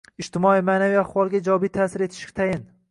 ijtimoiy-ma’naviy ahvolga ijobiy ta’sir etishi tayin.